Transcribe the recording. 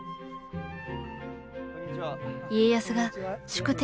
家康が宿敵